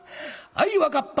「あい分かった。